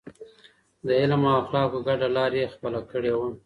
د علم او اخلاقو ګډه لار يې خپله کړې وه.